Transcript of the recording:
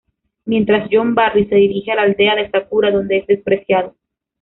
Mientras John Barry se dirige a la aldea de Sakura donde es despreciado.